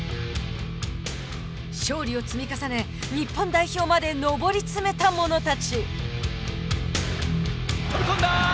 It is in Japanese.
勝利を積み重ね日本代表まで上り詰めた者たち。